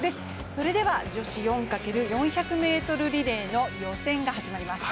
それでは女子４×１００ｍリレーの予選が始まります。